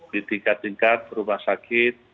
di tingkat tingkat rumah sakit